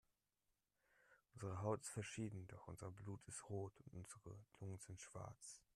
Unsere Haut ist verschieden, doch unser Blut ist rot und unsere Lungen sind schwarz.